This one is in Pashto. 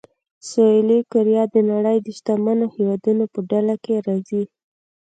سویلي کوریا د نړۍ د شتمنو هېوادونو په ډله کې راځي.